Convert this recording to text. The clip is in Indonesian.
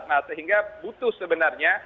nah sehingga butuh sebenarnya